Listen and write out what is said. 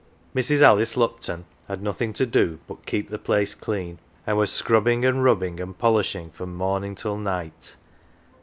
Mrs. Alice Lupton had nothing to do but "keep the place clean," and was scrubbing, and rubbing, and polishing from morning till night.